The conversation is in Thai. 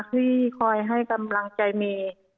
ที่คอยให้กำลังใจเมย์